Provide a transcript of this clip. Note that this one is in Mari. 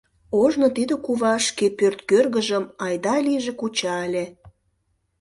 Ожно тиде кува шке пӧрт кӧргыжым айда-лийже куча ыле.